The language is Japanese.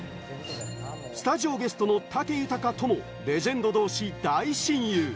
スタジオゲストの武豊ともレジェンド同士、大親友。